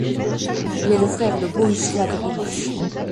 Il est le frère de Bohuslav Rylich.